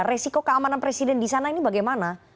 resiko keamanan presiden di sana ini bagaimana